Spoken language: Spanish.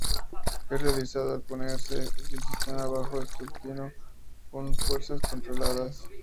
Es realizado al ponerse el sistema bajo escrutinio con fuerzas controladas.